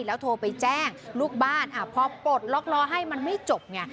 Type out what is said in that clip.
แล้วโทรไปแจ้งลูกบ้านพอปลดล็อกล้อให้มันไม่จบไง